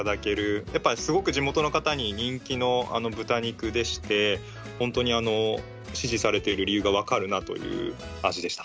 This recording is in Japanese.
やっぱりすごく地元の方に人気の豚肉でして本当に支持されている理由が分かるなという味でした。